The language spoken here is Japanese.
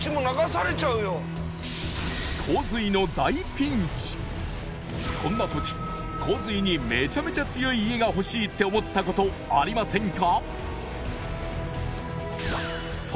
洪水の大ピンチこんな時洪水にめちゃめちゃ強い家がほしいって思ったことありませんか？